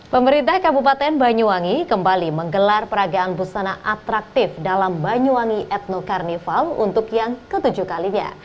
pemerintah kabupaten banyuwangi kembali menggelar peragaan busana atraktif dalam banyuwangi ethno carnival untuk yang ketujuh kalinya